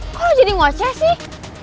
kok lo jadi ngoceh sih